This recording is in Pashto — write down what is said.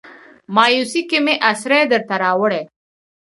مایوسۍ کې مې اسرې درته راوړي